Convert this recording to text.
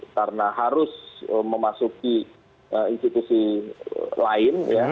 karena harus memasuki institusi lain